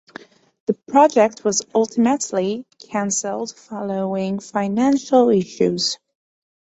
The project was ultimately canceled following financial issues.